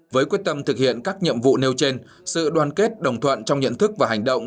với quyết tâm thực hiện các nhiệm vụ nêu trên sự đoàn kết đồng thuận trong nhận thức và hành động